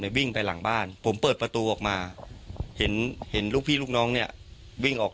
วิ่งไปหลังบ้านผมเปิดประตูออกมาเห็นเห็นลูกพี่ลูกน้องเนี่ยวิ่งออก